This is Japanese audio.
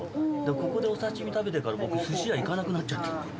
ここでお刺身食べてから、僕、すし屋行かなくなっちゃったんです。